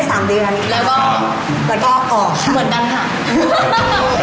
ทำได้สามเดือนแล้วก็ออก